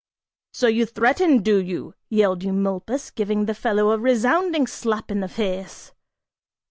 "So you threaten, do you'?" yelled Eumolpus, giving the fellow a resounding slap in the face.